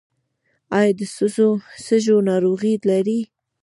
ایا د سږو ناروغي لرئ؟